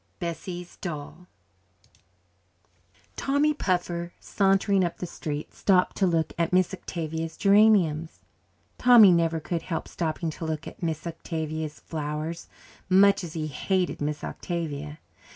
Bessie's Doll Tommy Puffer, sauntering up the street, stopped to look at Miss Octavia's geraniums. Tommy never could help stopping to look at Miss Octavia's flowers, much as he hated Miss Octavia.